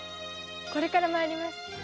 これから参ります。